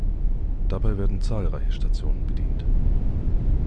Dabei werden zahlreiche Stationen bedient.